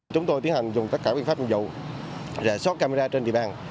chúng tôi tiến hành dùng tất cả biện pháp dụng rè sót camera trên địa bàn